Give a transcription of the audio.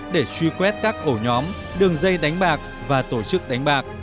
để truy quét các ổ nhóm đường dây đánh bạc và tổ chức đánh bạc